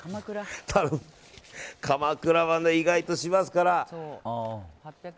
鎌倉は意外としますから。